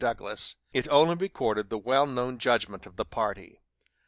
Douglas," it only recorded the well known judgment of the party.